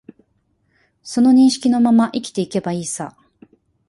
その認識のまま生きていけばいいさ